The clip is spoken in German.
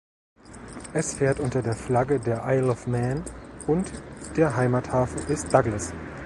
Es fährt unter der Flagge der Isle of Man und der Heimathafen ist Douglas.